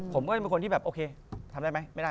ผมก็จะเป็นคนที่แบบโอเคทำได้ไหมไม่ได้